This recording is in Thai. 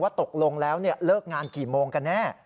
ตกลงแล้วเลิกงานกี่โมงกันแน่